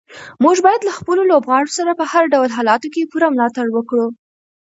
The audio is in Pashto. موږ باید له خپلو لوبغاړو څخه په هر ډول حالاتو کې پوره ملاتړ وکړو.